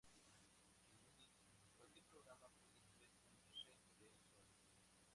En Unix, cualquier programa puede ser un shell de usuario.